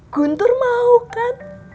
guntur mau kan